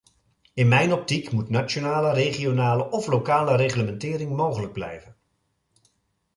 In mijn optiek moet nationale, regionale of lokale reglementering mogelijk blijven.